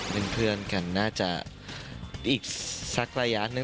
เป็นเพื่อนกันน่าจะอีกสักระยะหนึ่ง